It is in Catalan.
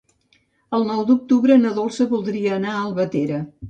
El nou d'octubre na Dolça voldria anar a Albatera.